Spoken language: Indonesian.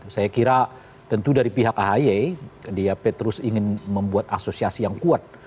saya kira tentu dari pihak ahy diap terus ingin membuat asosiasi yang kuat